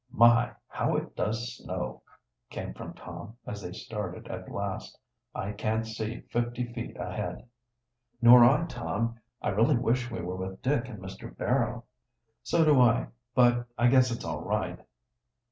"My! how it does snow!" came from Tom, as they started at last. "I can't see fifty feet ahead." "Nor I, Tom. I really wish we were with Dick and Mr. Barrow." "So do I, but I guess it's all right."